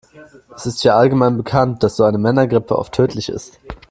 Es ist ja allgemein bekannt, dass so eine Männergrippe oft tödlich ist.